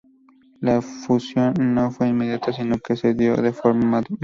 La fusión no fue inmediata sino que se dio de forma gradual.